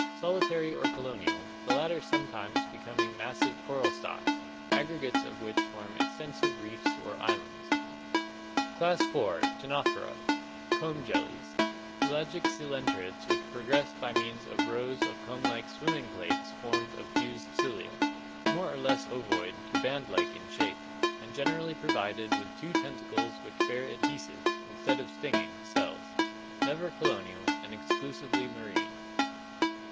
Solitary or colonial, the latter sometimes becoming massive coral stocks, aggregates of which form extensive reefs or islands. Class IV. Ctenophora (Gr. KT€ts (ktw ), comb, and <l>y>a,v, to bear). Comb jellies. Pelagic ccelenterates which progress by means of rows of comb b'ke swimming plates formed of fused cilia. More or less ovoid to band like in shape, and generally provided with two tentacles which bear adhesive, instead of stinging, cells. Never colonial, and exclusively marine.